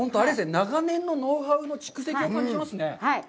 長年のノウハウの蓄積を感じますね。